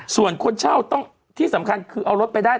ส่วนคนเช่าต้องที่สำคัญคือเอารถไปได้